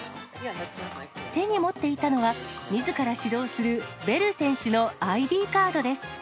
手に持っていたのは、みずから指導するベル選手のＩＤカードです。